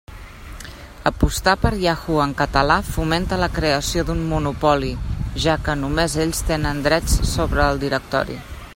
Apostar per Yahoo en català fomenta la creació d'un monopoli, ja que només ells tenen drets sobre el directori.